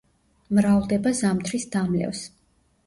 მრავლდება ზამთრის დამლევს.